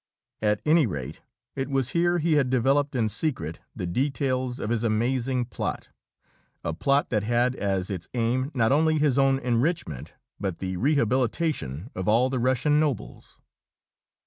At any rate, it was here he had developed in secret the details of his amazing plot a plot that had as its aim not only his own enrichment but the rehabilitation of all the Russian nobles.